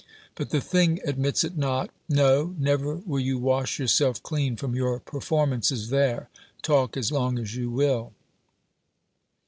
But the thing admits it not. No ! never will you wash A^ourself clean from your performances there — talk as long as you will